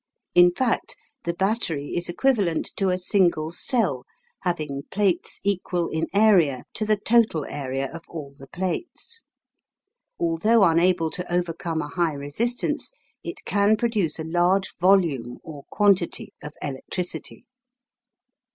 In fact, the battery is equivalent to a single cell having plates equal in area to the total area of all the plates. Although unable to overcome a high resistance, it can produce a large volume or quantity of electricity.